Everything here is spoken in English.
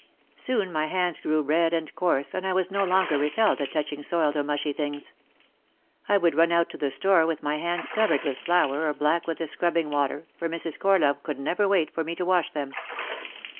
Soon my hands grew red and coarse and I was no longer repelled at touch ing soiled or mushy things. I would run out to the store with my hands covered with flour or black with the scrubbing water, for Mrs. Corlove could never wait for me to wash them.